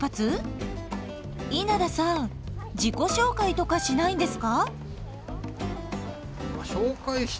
稲田さん自己紹介とかしないんですか？